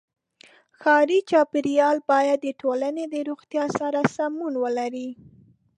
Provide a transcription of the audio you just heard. ښاري چاپېریال باید د ټولنې د روغتیا سره سمون ولري.